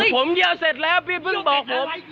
ผมเยี่ยวเสร็จแล้วพี่เพิ่งบอกผม